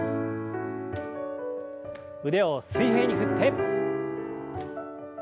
腕を水平に振って。